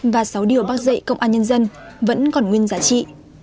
và sáu điều bác dạy công an nhân dân vẫn còn nguyên giá trị